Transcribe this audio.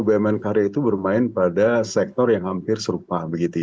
bumn karya itu bermain pada sektor yang hampir serupa